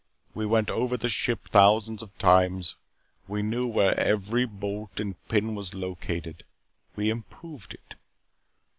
We went over the ship thousands of times. We knew where every bolt and pin was located. We improved it.